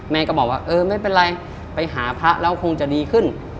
ก็บอกว่าเออไม่เป็นไรไปหาพระแล้วคงจะดีขึ้น